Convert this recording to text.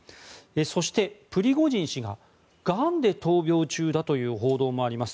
そして、プリゴジン氏ががんで闘病中だという報道もあります。